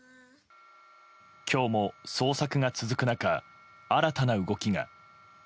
今日も捜索が続く中新たな動きが。